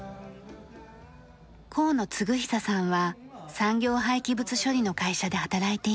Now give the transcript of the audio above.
河野嗣寿さんは産業廃棄物処理の会社で働いています。